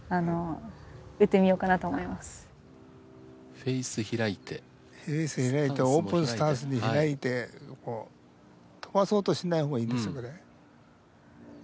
フェイス開いてオープンスタンスで開いてこう飛ばそうとしない方がいいですよこれ。